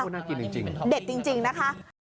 น่ากินจริงเด็ดจริงนะคะ